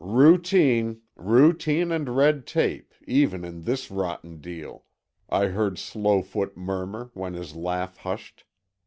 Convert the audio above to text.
"Routine—routine and red tape, even in this rotten deal," I heard Slowfoot murmur, when his laugh hushed.